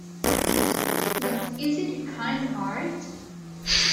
But is it a kind heart?